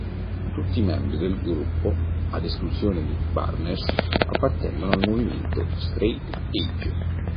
Tutti i membri del gruppo, ad esclusione di Barnes, appartengono al movimento straight edge.